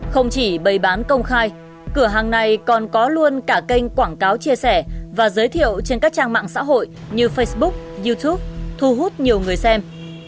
không chỉ bày bán công khai cửa hàng này còn có luôn cả kênh quảng cáo chia sẻ và giới thiệu trên các trang mạng xã hội như facebook youtube thu hút nhiều người xem